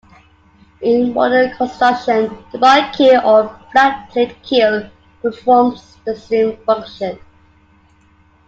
In modern construction, the bar keel or flat-plate keel performs the same function.